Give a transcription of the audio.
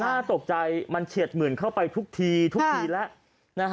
น่าตกใจมันเฉียดหมื่นเข้าไปทุกทีทุกทีแล้วนะฮะ